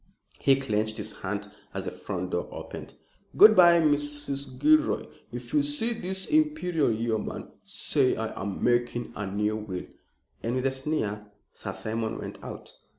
He clenched his hand as the front door opened. "Good bye, Mrs. Gilroy, if you see this Imperial Yeoman, say I am making a new will," and with a sneer Sir Simon went out.